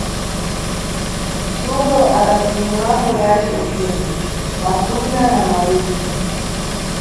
Sulo adakhuthumulambo yace yensene, mafuyira na mawisi.